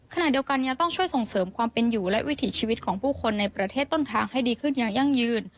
ขณะเดียวกันยังต้องช่วยส่งเสริมความเป็นอยู่และวิถีชีวิตของผู้คนในประเทศต้นทางให้ดีขึ้นอย่างยั่งยืน